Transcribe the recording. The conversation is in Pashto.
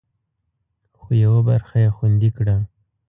خو، یوه برخه یې خوندي کړه